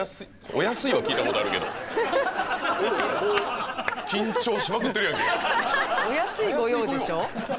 お安い御用でしょ？